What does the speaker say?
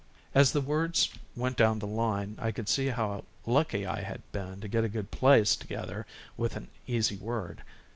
As the words went down the line, I could see how lucky I had been to get a good place together with an easy word.